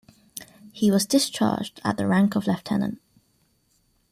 He was discharged at the rank of lieutenant.